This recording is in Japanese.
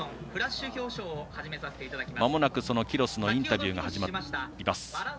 まもなく、キロスのインタビューが始まります。